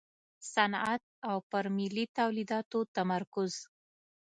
صنعت او پر ملي تولیداتو تمرکز.